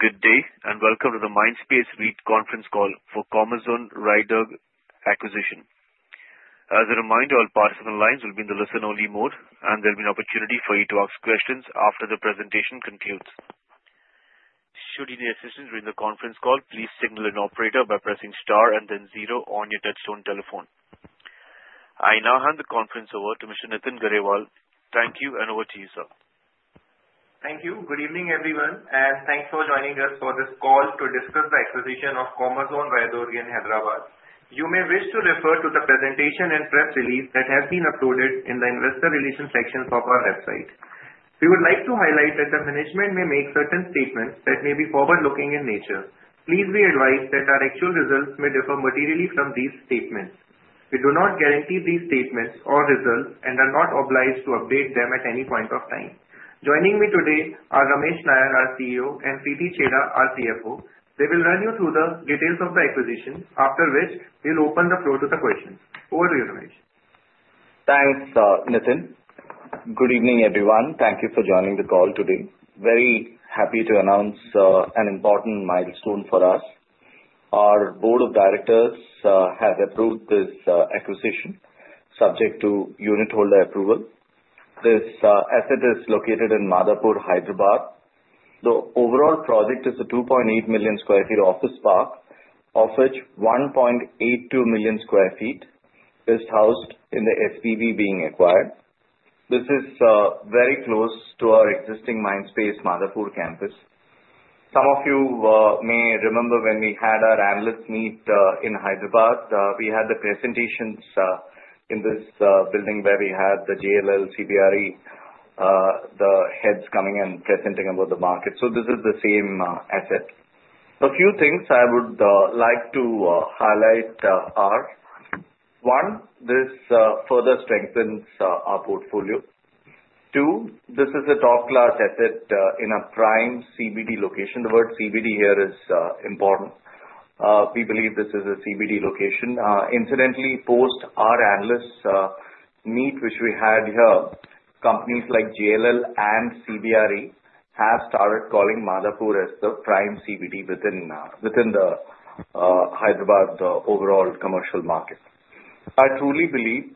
Good day, and welcome to the Mindspace REIT conference call for Commerzone Raidurg acquisition. As a reminder, all participant lines will be in the listen-only mode, and there'll be an opportunity for you to ask questions after the presentation concludes. Should you need assistance during the conference call, please signal an operator by pressing star and then zero on your touch-tone telephone. I now hand the conference over to Mr. Nitin Garewal. Thank you, and over to you, sir. Thank you. Good evening, everyone, and thanks for joining us for this call to discuss the acquisition of Commerzone Raidurg in Hyderabad. You may wish to refer to the presentation and press release that has been uploaded in the investor relations section of our website. We would like to highlight that the management may make certain statements that may be forward-looking in nature. Please be advised that our actual results may differ materially from these statements. We do not guarantee these statements or results and are not obliged to update them at any point of time. Joining me today are Ramesh Nair, our CEO, and Preeti Chheda, our CFO. They will run you through the details of the acquisition, after which we'll open the floor to the questions. Over to you, Ramesh. Thanks, Nitin. Good evening, everyone. Thank you for joining the call today. Very happy to announce an important milestone for us. Our board of directors has approved this acquisition, subject to unit holder approval. This asset is located in Madhapur, Hyderabad. The overall project is a 2.8 million sq ft office park, of which 1.82 million sq ft is housed in the SPV being acquired. This is very close to our existing Mindspace Madhapur campus. Some of you may remember when we had our analyst meet in Hyderabad. We had the presentations in this building where we had the JLL, CBRE, the heads coming and presenting about the market. So this is the same asset. A few things I would like to highlight are: one, this further strengthens our portfolio. Two, this is a top-class asset in a prime CBD location. The word CBD here is important. We believe this is a CBD location. Incidentally, post our analyst meet, which we had here, companies like JLL and CBRE have started calling Madhapur as the prime CBD within the Hyderabad overall commercial market. I truly believe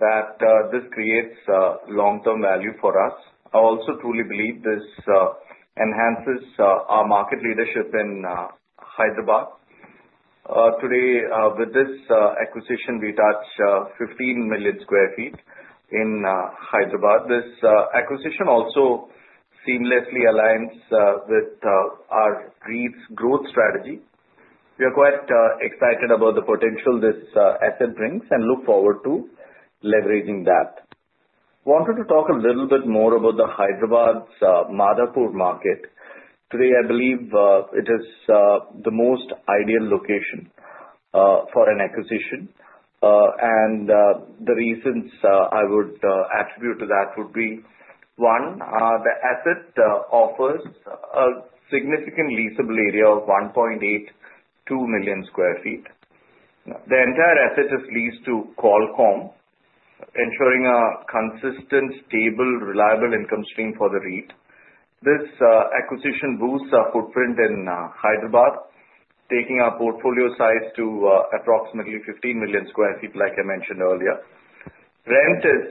that this creates long-term value for us. I also truly believe this enhances our market leadership in Hyderabad. Today, with this acquisition, we touched 15 million sq ft in Hyderabad. This acquisition also seamlessly aligns with our REIT's growth strategy. We are quite excited about the potential this asset brings and look forward to leveraging that. I wanted to talk a little bit more about Hyderabad's Madhapur market. Today, I believe it is the most ideal location for an acquisition, and the reasons I would attribute to that would be, one, the asset offers a significant leasable area of 1.82 million sq ft. The entire asset is leased to Qualcomm, ensuring a consistent, stable, reliable income stream for the REIT. This acquisition boosts our footprint in Hyderabad, taking our portfolio size to approximately 15 million sq ft, like I mentioned earlier. Rent is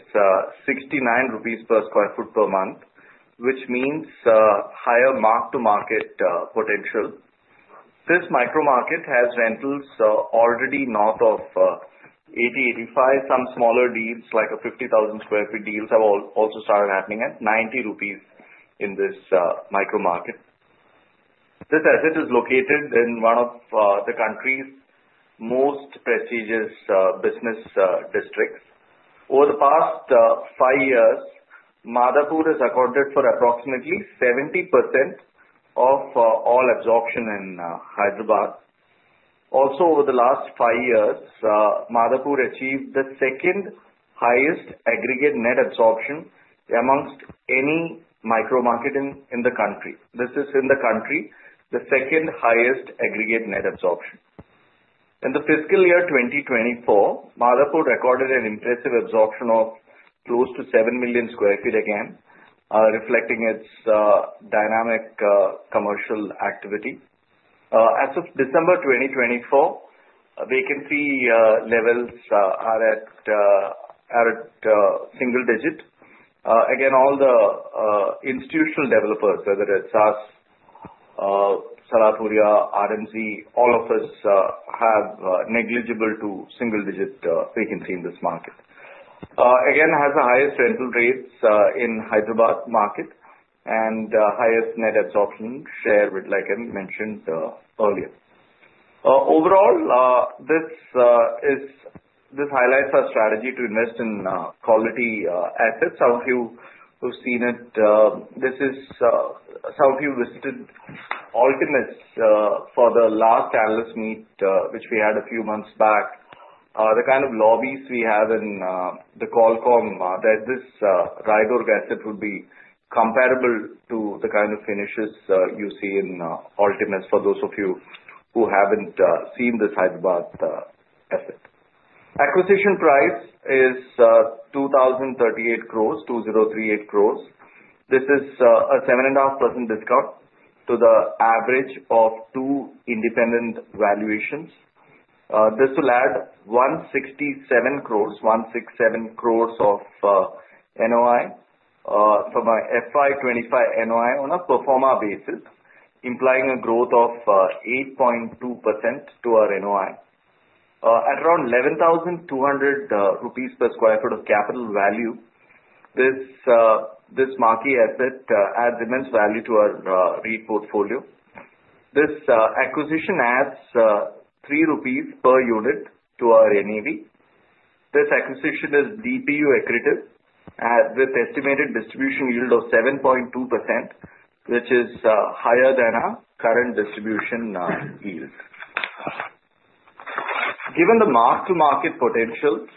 69 rupees per sq ft per month, which means higher mark-to-market potential. This micro-market has rentals already north of 80, 85. Some smaller deals, like 50,000 sq ft deals, have also started happening at 90 rupees in this micro-market. This asset is located in one of the country's most prestigious business districts. Over the past five years, Madhapur has accounted for approximately 70% of all absorption in Hyderabad. Also, over the last five years, Madhapur achieved the second-highest aggregate net absorption amongst any micro-market in the country. This is, in the country, the second-highest aggregate net absorption. In the fiscal year 2024, Madhapur recorded an impressive absorption of close to 7 million sq ft again, reflecting its dynamic commercial activity. As of December 2024, vacancy levels are at single digit. Again, all the institutional developers, whether it's SAS, Salarpuria, RMZ, all of us have negligible to single-digit vacancy in this market. Again, it has the highest rental rates in the Hyderabad market and the highest net absorption share, like I mentioned earlier. Overall, this highlights our strategy to invest in quality assets. Some of you who've seen it, some of you visited Altimus for the last analyst meet, which we had a few months back. The kind of lobbies we have in the Qualcomm, that this Raidurg asset would be comparable to the kind of finishes you see in Altimus, for those of you who haven't seen this Hyderabad asset. Acquisition price is 2,038 crore, 2,038 crore. This is a 7.5% discount to the average of two independent valuations. This will add 167 crore, 167 crore of NOI from a FY 2025 NOI on a pro forma basis, implying a growth of 8.2% to our NOI. At around 11,200 rupees per sq ft of capital value, this marquee asset adds immense value to our REIT portfolio. This acquisition adds 3 rupees per unit to our NAV. This acquisition is DPU accretive, with estimated distribution yield of 7.2%, which is higher than our current distribution yield. Given the mark-to-market potential,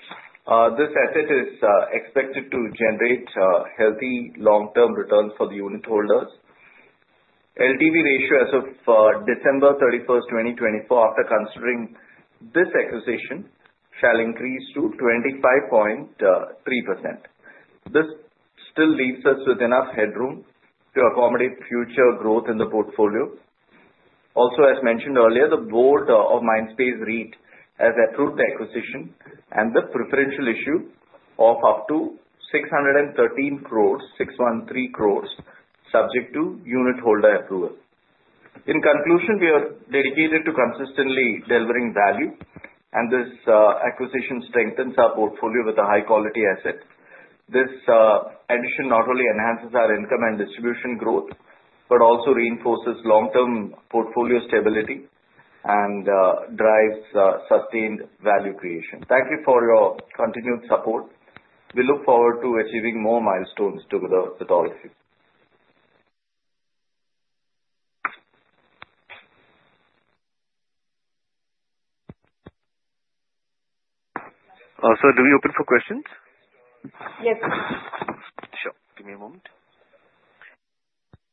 this asset is expected to generate healthy long-term returns for the unit holders. LTV ratio as of December 31st, 2024, after considering this acquisition, shall increase to 25.3%. This still leaves us with enough headroom to accommodate future growth in the portfolio. Also, as mentioned earlier, the board of Mindspace REIT has approved the acquisition and the preferential issue of up to 613 crore, 613 crore, subject to unit holder approval. In conclusion, we are dedicated to consistently delivering value, and this acquisition strengthens our portfolio with a high-quality asset. This addition not only enhances our income and distribution growth, but also reinforces long-term portfolio stability and drives sustained value creation. Thank you for your continued support. We look forward to achieving more milestones together with all of you. Also, do we open for questions? Yes. Sure. Give me a moment.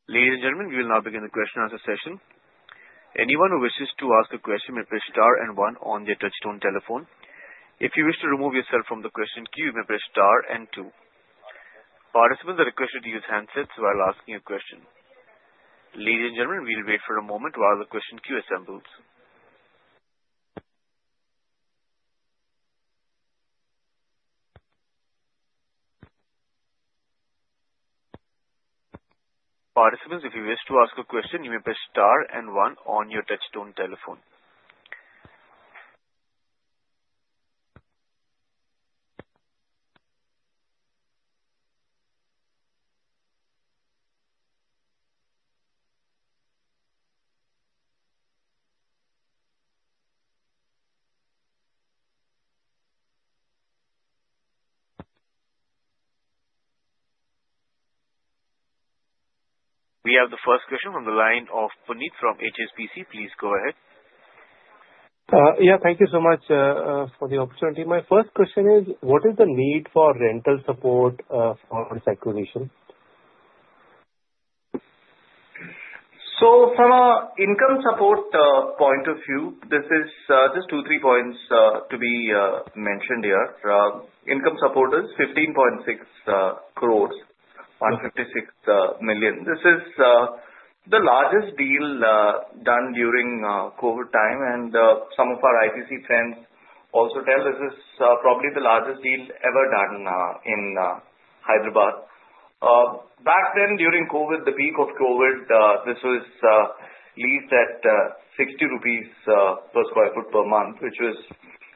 Ladies and gentlemen, we will now begin the question-and-answer session. Anyone who wishes to ask a question may press star and one on their touch-tone telephone. If you wish to remove yourself from the question queue, you may press star and two. Participants are requested to use handsets while asking a question. Ladies and gentlemen, we'll wait for a moment while the question queue assembles. Participants, if you wish to ask a question, you may press star and one on your touch-tone telephone. We have the first question from the line of Puneet from HSBC. Please go ahead. Yeah, thank you so much for the opportunity. My first question is, what is the need for rental support on this acquisition? From an income support point of view, this is just two, three points to be mentioned here. Income support is 15.6 crore, 156 million. This is the largest deal done during COVID time, and some of our IPC friends also tell this is probably the largest deal ever done in Hyderabad. Back then, during COVID, the peak of COVID, this was leased at 60 rupees per sq ft per month, which was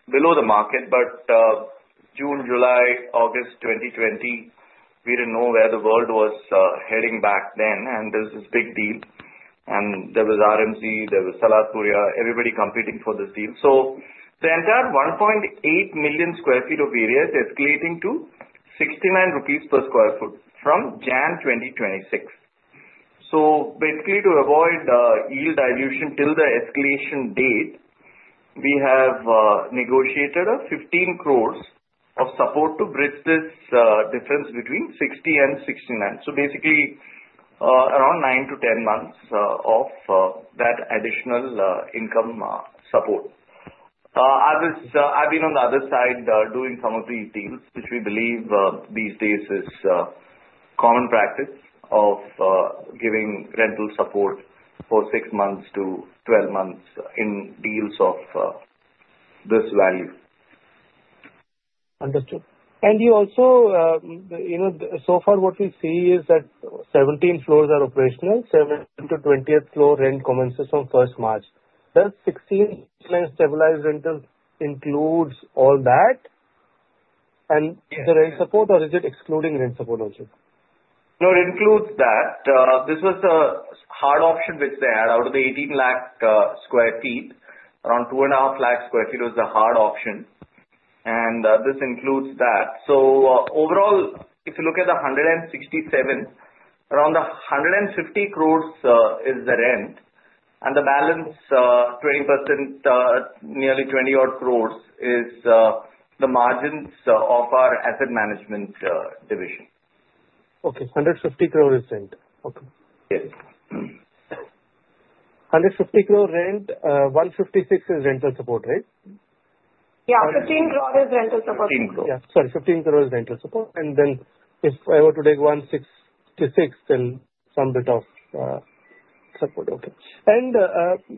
below the market. But June, July, August 2020, we didn't know where the world was heading back then, and this is a big deal. There was RMZ, there was Salarpuria Sattva, everybody competing for this deal. The entire 1.8 million sq ft of area is escalating to 69 rupees per sq ft from January 2026. Basically, to avoid yield dilution till the escalation date, we have negotiated 15 crore of support to bridge this difference between 60 and 69. Basically, around nine-10 months of that additional income support. I've been on the other side doing some of these deals, which we believe these days is common practice of giving rental support for six-12 months in deals of this value. Understood. And you also, so far, what we see is that 17 floors are operational. 7th-20th floor rent commences from 1st March. Does 16 million stabilized rentals include all that and the rent support, or is it excluding rent support also? No, it includes that. This was a hard option which they had out of 18 lakh sq ft. Around 2.5 lakh sq ft was the hard option, and this includes that. So overall, if you look at the 167 crore, around the 150 crore is the rent, and the balance, 20%, nearly 20-odd crore is the margins of our asset management division. Okay. 150 crore is rent. Okay. Yes. 150 crore rent, 156 crore is rental support, right? Yeah. 15 crore is rental support. 15 crore. Yeah. Sorry. 15 crore is rental support. And then if I were to take 166 crore, then some bit of support. Okay. And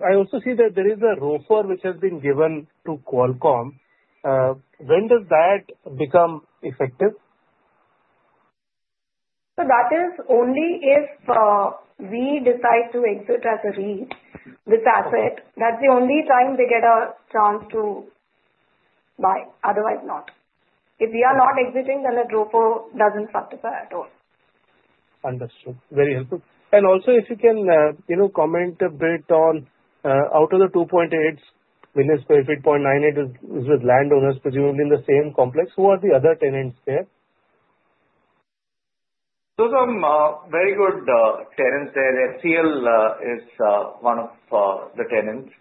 I also see that there is a ROFR which has been given to Qualcomm. When does that become effective? That is only if we decide to exit as a REIT, this asset. That's the only time they get a chance to buy. Otherwise, not. If we are not exiting, then the ROFR doesn't satisfy at all. Understood. Very helpful. And also, if you can comment a bit on out of the 2.8 million, 0.98 is with landowners, presumably in the same complex. Who are the other tenants there? Those are very good tenants there. HCLTech is one of the tenants.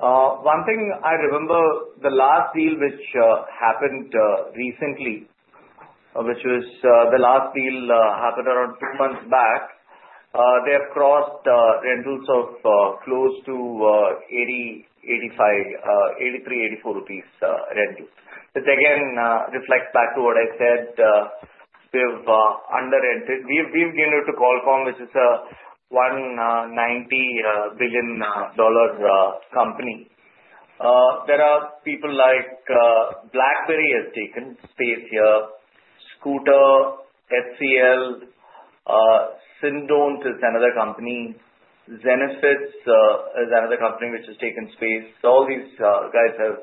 One thing I remember, the last deal which happened recently, which was the last deal happened around two months back, they have crossed rentals of close to 83-84 rupees rental. This again reflects back to what I said. We have underrated. We've given it to Qualcomm, which is a $190 billion company. There are people like BlackBerry has taken space here. Skootr, HCLTech, Synechron is another company. Zensar Technologies is another company which has taken space. All these guys have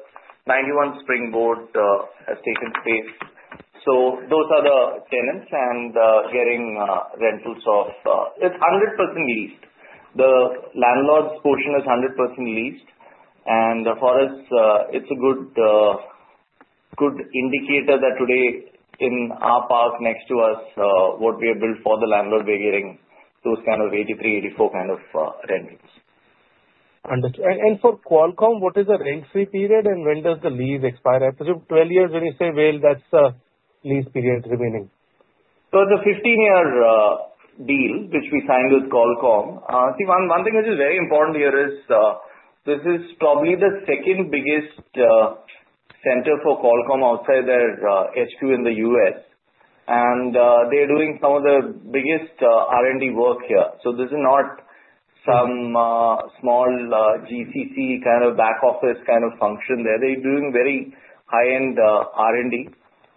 91springboard has taken space. So those are the tenants and getting rentals of it's 100% leased. The landlord's portion is 100% leased. And for us, it's a good indicator that today in our park next to us, what we have built for the landlord, we're getting those kind of 83-84 kind of rentals. Understood. And for Qualcomm, what is the rent-free period and when does the lease expire? I presume 12 years when you say, well, that's the lease period remaining. It's a 15-year deal which we signed with Qualcomm. See, one thing which is very important here is this is probably the second biggest center for Qualcomm outside their HQ in the U.S. And they're doing some of the biggest R&D work here. This is not some small GCC kind of back office kind of function there. They're doing very high-end R&D.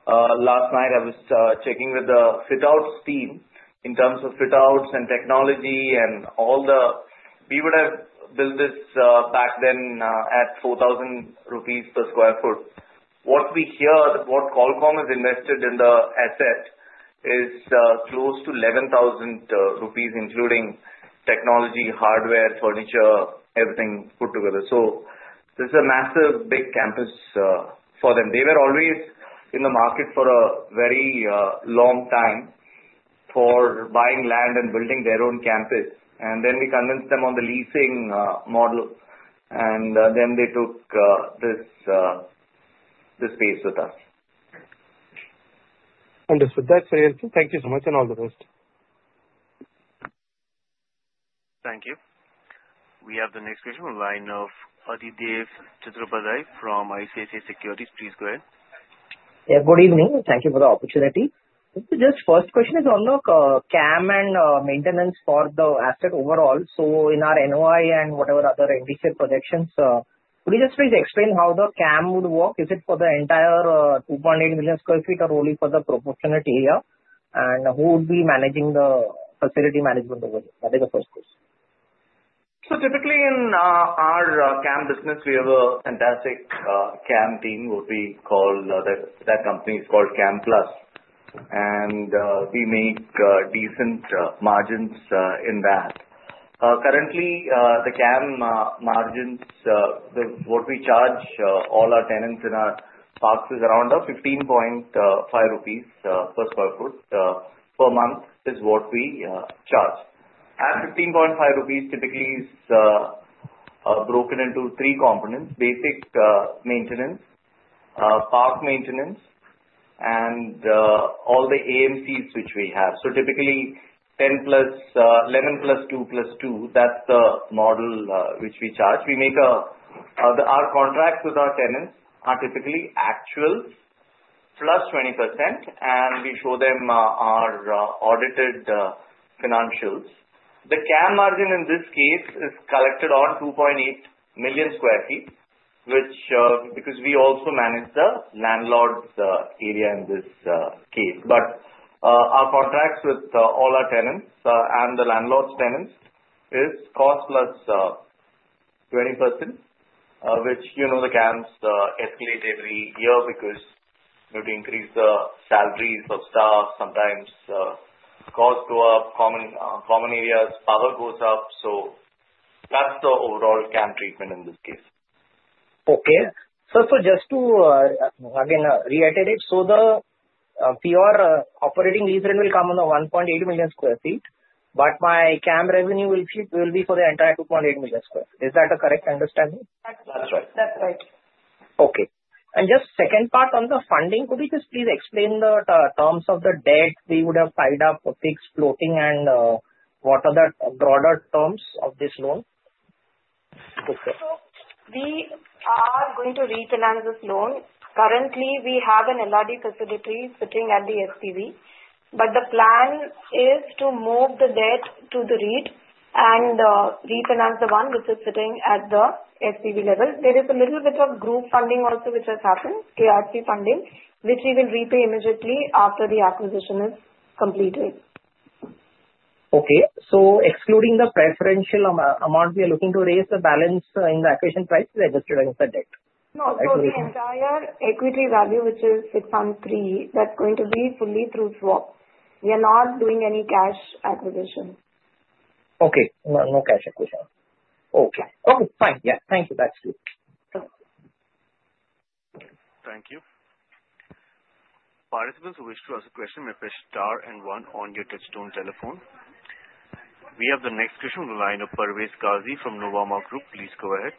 Last night, I was checking with the fit-outs team in terms of fit-outs and technology and all the we would have built this back then at 4,000 rupees per sq ft. What we hear, what Qualcomm has invested in the asset is close to 11,000 rupees, including technology, hardware, furniture, everything put together. This is a massive big campus for them. They were always in the market for a very long time for buying land and building their own campus. We convinced them on the leasing model, and then they took this space with us. Understood. That's very helpful. Thank you so much and all the best. Thank you. We have the next question from the line of Adhidev Chattopadhyay from ICICI Securities. Please go ahead. Yeah. Good evening. Thank you for the opportunity. Just first question is on the CAM and maintenance for the asset overall. So in our NOI and whatever other NDC projections, could you just please explain how the CAM would work? Is it for the entire 2.8 million sq ft or only for the proportionate area? And who would be managing the facility management over there? That is the first question. So typically in our CAM business, we have a fantastic CAM team, what we call that company, is called Camplus. And we make decent margins in that. Currently, the CAM margins, what we charge all our tenants in our parks is around 15.5 rupees per sq ft per month is what we charge. That 15.5 rupees typically is broken into three components: basic maintenance, park maintenance, and all the AMCs which we have. So typically 10 + 11 + 2 + 2, that's the model which we charge. We make our contracts with our tenants are typically actual +20%, and we show them our audited financials. The CAM margin in this case is collected on 2.8 million sq ft, which because we also manage the landlord's area in this case. But our contracts with all our tenants and the landlord's tenants is cost +20%, which the CAMs escalate every year because we have to increase the salaries of staff. Sometimes costs go up, common areas, power goes up. So that's the overall CAM treatment in this case. Okay. So just to again reiterate, so the PR operating lease rate will come on the 1.8 million sq ft, but my CAM revenue will be for the entire 2.8 million sq ft. Is that a correct understanding? That's right. That's right. Okay, and just second part on the funding, could you just please explain the terms of the debt we would have tied up, fixed, floating, and what are the broader terms of this loan? So we are going to refinance this loan. Currently, we have an LRD facility sitting at the SPV, but the plan is to move the debt to the REIT and refinance the one which is sitting at the SPV level. There is a little bit of group funding also which has happened, KRC funding, which we will repay immediately after the acquisition is completed. Okay. So excluding the preferential amount, we are looking to raise the balance in the acquisition price registered against the debt? No. So the entire equity value, which is 603, that's going to be fully through swap. We are not doing any cash acquisition. Okay. No cash acquisition. Okay. Okay. Fine. Yeah. Thank you. That's good. Thank you. Participants who wish to ask a question may press star and one on your touch-tone telephone. We have the next question from the line of Parvez Qazi from Nuvama Group. Please go ahead.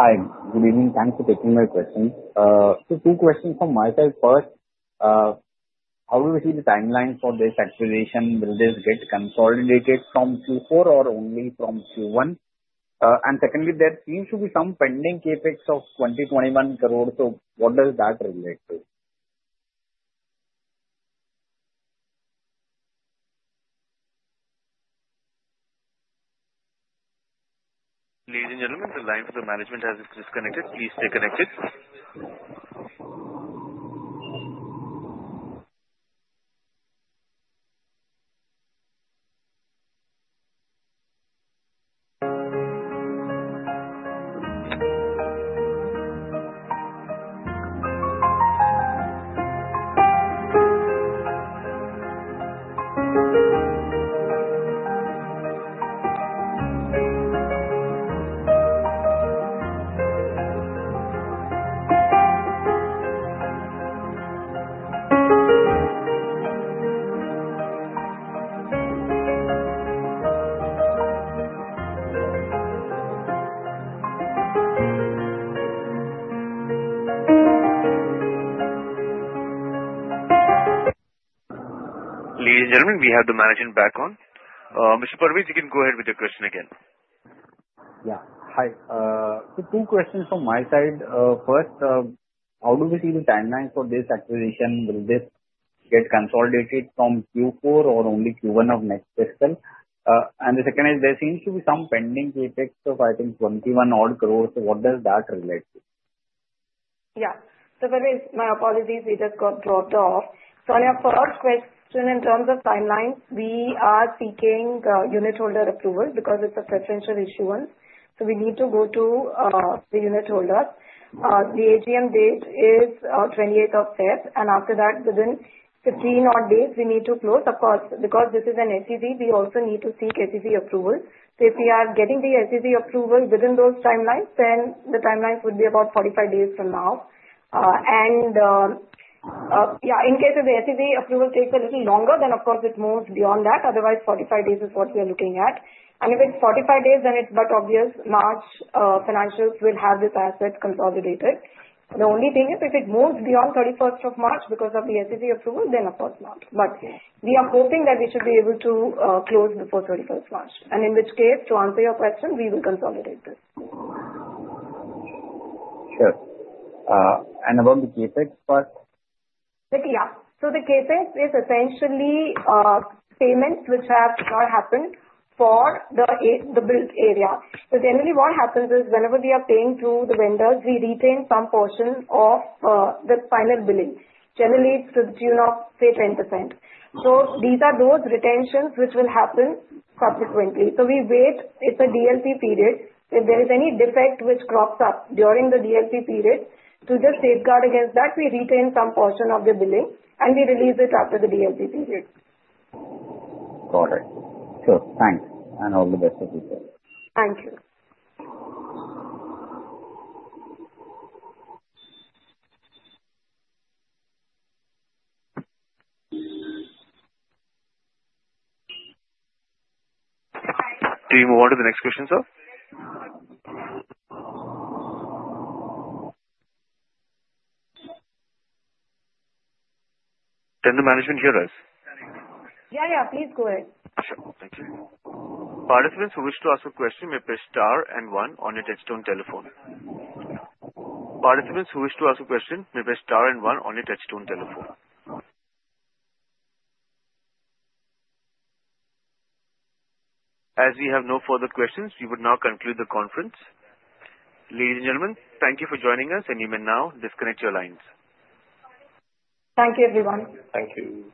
Hi. Good evening. Thanks for taking my question. So two questions from my side. First, how do we see the timeline for this acquisition? Will this get consolidated from Q4 or only from Q1? And secondly, there seems to be some pending CapEx of 20 crore-21 crore. So what does that relate to? Ladies and gentlemen, the line for the management has just disconnected. Please stay connected. Ladies and gentlemen, we have the management back on. Mr. Parvez, you can go ahead with your question again. Yeah. Hi. So two questions from my side. First, how do we see the timeline for this acquisition? Will this get consolidated from Q4 or only Q1 of next fiscal? And the second is there seems to be some pending CapEx of, I think, 21-odd crore. So what does that relate to? Yeah. So Parvez, my apologies. We just got dropped off. So on our first question, in terms of timelines, we are seeking unit holder approval because it's a preferential issuance. So we need to go to the unit holders. The AGM date is 28th of February. And after that, within 15 odd days, we need to close. Of course, because this is a SEZ, we also need to seek SEZ approval. So if we are getting the SEZ approval within those timelines, then the timelines would be about 45 days from now. And yeah, in case if the SEZ approval takes a little longer, then of course it moves beyond that. Otherwise, 45 days is what we are looking at. And if it's 45 days, then it's but obvious March financials will have this asset consolidated. The only thing is if it moves beyond 31st of March because of the SEZ approval, then of course not, but we are hoping that we should be able to close before 31st March, and in which case, to answer your question, we will consolidate this. Sure. And about the CapEx part? Yeah. So the CapEx is essentially payments which have not happened for the built area. So generally what happens is whenever we are paying through the vendors, we retain some portion of the final billing. Generally it's to the tune of, say, 10%. So these are those retentions which will happen subsequently. So we wait. It's a DLP period. If there is any defect which crops up during the DLP period, to just safeguard against that, we retain some portion of the billing and we release it after the DLP period. Got it. Sure. Thanks, and all the best of luck. Thank you. Do you move on to the next question, sir? Can the management hear us? Yeah. Yeah. Please go ahead. Sure. Thank you. Participants who wish to ask a question may press star and one on your touch-tone telephone. Participants who wish to ask a question may press star and one on your touch-tone telephone. As we have no further questions, we would now conclude the conference. Ladies and gentlemen, thank you for joining us, and you may now disconnect your lines. Thank you, everyone. Thank you.